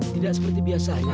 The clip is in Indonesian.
tidak seperti biasanya